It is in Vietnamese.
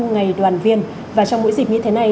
ngày đoàn viên và trong mỗi dịp như thế này